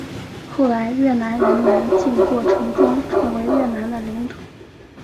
后在越南人南进过程中成为越南的领土。